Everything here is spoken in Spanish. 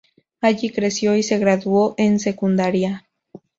Allí creció y se graduó en secundaria.